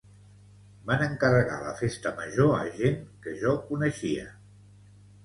Van encarregar la Festa Major a gent que jo coneixia